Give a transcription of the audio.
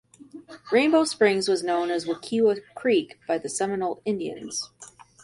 Rainbow Springs was known as Wekiwa Creek by the Seminole Indians.